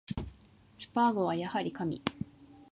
スパーゴはやはり神